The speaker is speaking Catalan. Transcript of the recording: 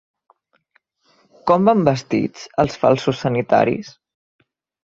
Com van vestits els falsos sanitaris?